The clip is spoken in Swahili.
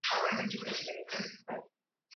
mzuri Lakini hawakubali kukosolewa na raia wa kigeni